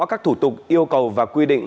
các thủ tục yêu cầu và quy định